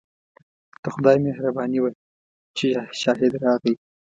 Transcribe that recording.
د خدای مهرباني وه چې شاهد راغی.